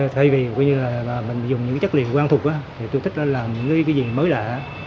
thay vì mình dùng những chất liệu quang thục tôi thích làm những gì mới lạ